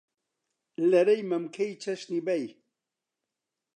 لەرەی مەمکەی چەشنی بەی